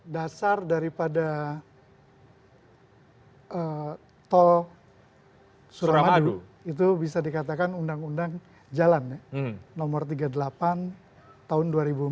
dasar daripada tol suramadu itu bisa dikatakan undang undang jalan ya nomor tiga puluh delapan tahun dua ribu empat belas